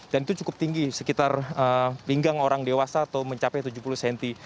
dan itu cukup tinggi sekitar pinggang orang dewasa atau mencapai tujuh puluh cm